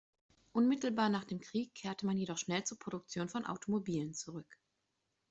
Unmittelbar nach dem Krieg kehrte man jedoch schnell zur Produktion von Automobilen zurück.